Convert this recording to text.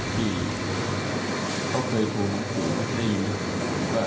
เขาเคยพูดพูดไม่ได้ยินนะ